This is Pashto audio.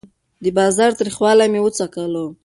د بازار تریخوالی مې وڅکلو.